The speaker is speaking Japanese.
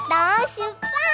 しゅっぱつ！